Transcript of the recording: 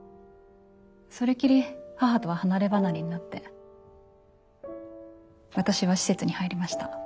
それきり母とは離れ離れになって私は施設に入りました。